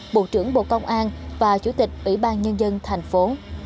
bộ trưởng bộ công an và chủ tịch ủy ban nhân dân thành phố